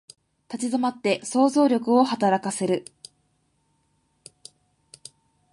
立ち止まって想像力を働かせる